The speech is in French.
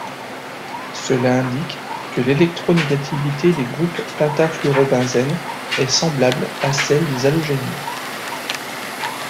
Cela indique que l'électronégativité des groupes pentafluorobenzène est semblable à celle des halogénures.